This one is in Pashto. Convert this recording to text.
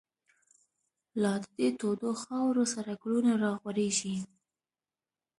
لا د دی تودو خاورو، سره گلونه را غوړیږی